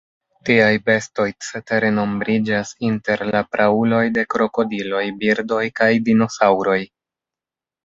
Tiaj bestoj cetere nombriĝas inter la prauloj de krokodiloj, birdoj kaj dinosaŭroj.